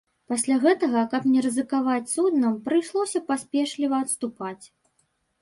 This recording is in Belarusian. Пасля гэтага, каб не рызыкаваць суднам, прыйшлося паспешліва адступаць.